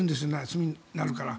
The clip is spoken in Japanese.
休みになるから。